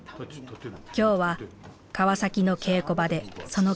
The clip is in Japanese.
今日は川崎の稽古場でその稽古です。